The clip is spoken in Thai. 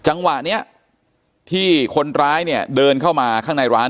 จังหวะนี้ที่คนร้ายเนี่ยเดินเข้ามาข้างในร้าน